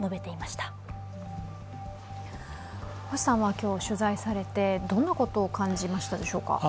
今日取材されて、どんなことを感じましたでしょうか？